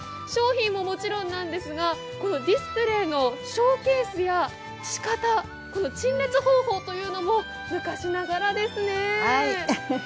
商品ももちろんなんですがディスプレーのショーケースや仕方この陳列方法というのも昔ながらですね。